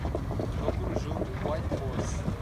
Procure o jogo Whitehorse